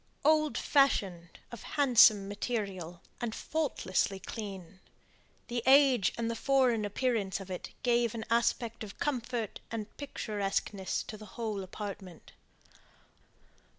Old fashioned, of handsome material, and faultlessly clean, the age and the foreign appearance of it gave an aspect of comfort and picturesqueness to the whole apartment.